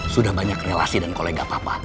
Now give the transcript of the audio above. sudah banyak relasi dan kolega papa